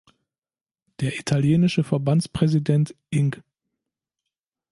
Der italienische Verbandspräsident Ing.